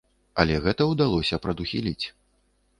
Але гэта ўдалося прадухіліць.